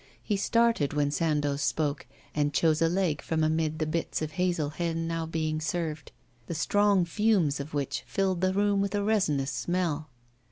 He started when Sandoz spoke, and chose a leg from amid the bits of hazel hen now being served, the strong fumes of which filled the room with a resinous smell.